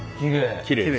きれい。